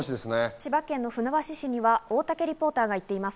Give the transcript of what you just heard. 千葉県の船橋市には大竹リポーターが行っています。